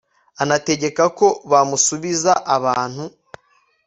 anategeka ko bamusubiza abantu